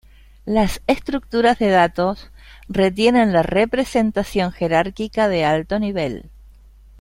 Las estructuras de datos retienen la representación jerárquica de alto nivel.